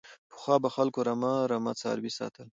پخوا به خلکو رمه رمه څاروي ساتل.